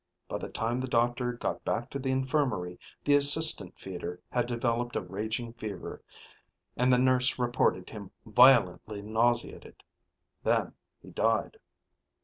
By the time the doctor got back to the infirmary, the assistant feeder had developed a raging fever, and the nurse reported him violently nauseated. Then he died.